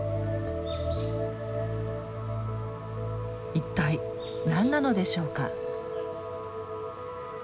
一体何なのでしょうか？